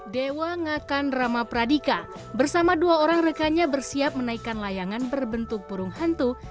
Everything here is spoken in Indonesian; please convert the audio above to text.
dewa ngakan rama pradika bersama dua orang rekannya bersiap menaikkan layangan berbentuk burung hantu